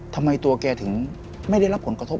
ทำไมตัวแกถึงไม่ได้รับผลกระทบ